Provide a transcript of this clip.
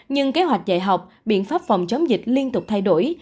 nhưng kế hoạch dạy học biện pháp phòng chống dịch liên tục thay đổi